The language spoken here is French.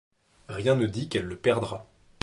Rien ne dit qu'elle le perdra.